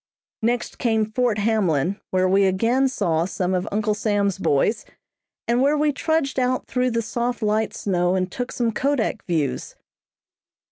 Next came Fort Hamlin, where we again saw some of Uncle Sam's boys, and where we trudged out through the soft light snow and took some kodak views.